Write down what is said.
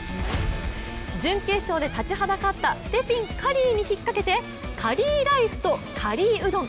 準決勝で立ちはだかったステフィン・カリーに引っかけてカリーライスとカリーうどん。